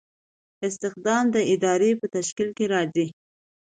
استخدام د ادارې په تشکیل کې راځي.